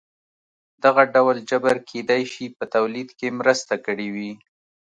دغه ډول جبر کېدای شي په تولید کې مرسته کړې وي.